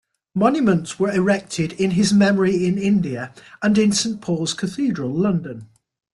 Monuments were erected in his memory in India and in Saint Paul's Cathedral, London.